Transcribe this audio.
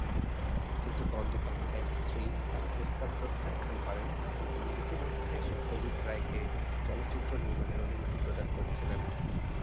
কিন্তু বন্দ্যোপাধ্যায়ের স্ত্রী তার প্রস্তাব প্রত্যাখ্যান করেন কারণ তিনি ইতোমধ্যে সত্যজিৎ রায়কে চলচ্চিত্র নির্মাণের অনুমতি প্রদান করেছিলেন।